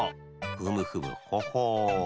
ふむふむほほう。